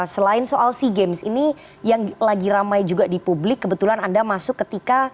selain soal sea games ini yang lagi ramai juga di publik kebetulan anda masuk ketika